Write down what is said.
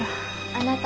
あなた！？